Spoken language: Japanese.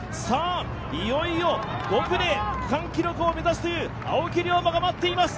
いよいよ５区で区間記録を目指す青木涼真が待っています。